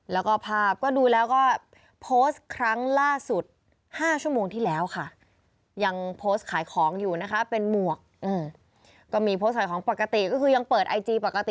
แล้วก็ภาพก็ดูแล้วก็โพสต์ครั้งล่าสุด๕ชั่วโมงที่แล้วค่ะ